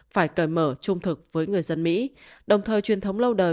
phải cởi mở trung thực với người dân mỹ đồng thời truyền thống lâu đời